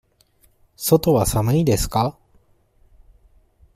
外は寒いですか。